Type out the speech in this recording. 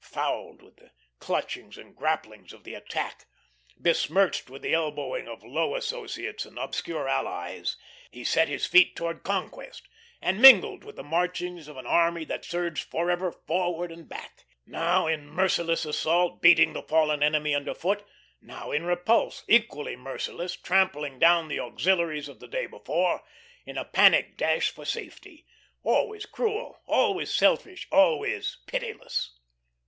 Fouled with the clutchings and grapplings of the attack, besmirched with the elbowing of low associates and obscure allies, he set his feet toward conquest, and mingled with the marchings of an army that surged forever forward and back; now in merciless assault, beating the fallen enemy under foot, now in repulse, equally merciless, trampling down the auxiliaries of the day before, in a panic dash for safety; always cruel, always selfish, always pitiless.